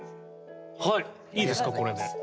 はいいいですかこれで。